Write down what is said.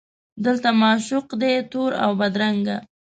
دلته معشوق دی تور اوبدرنګه